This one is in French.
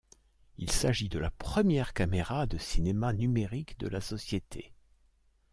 Il s'agit de la première caméra de cinéma numérique de la société.